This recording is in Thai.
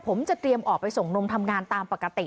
ผมจะเตรียมออกไปส่งนมทำงานตามปกติ